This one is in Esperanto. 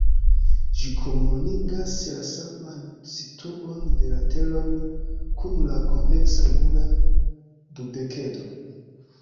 Ĝi komunigas la saman situon de lateroj kun la konveksa regula dudekedro.